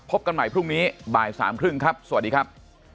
กันใหม่พรุ่งนี้บ่ายสามครึ่งครับสวัสดีครับ